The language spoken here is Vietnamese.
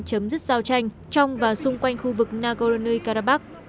chấm dứt giao tranh trong và xung quanh khu vực nagorno karabakh